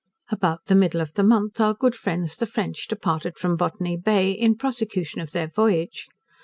About the middle of the month our good friends the French departed from Botany Bay, in prosecution of their voyage.